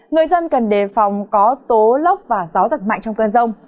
người dân cần đề phòng có tố lốc và gió giật mạnh trong cơn rông